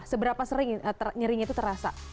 seberapa sering nyerinya itu terasa